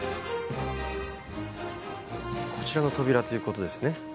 こちらの扉ということですね。